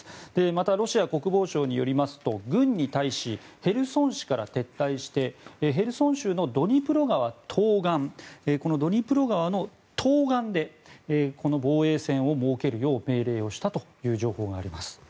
またロシア国防省によりますと軍に対しヘルソン市から撤退してヘルソン市からドニプロ川東岸で防衛線を設けるよう命令をしたという情報があります。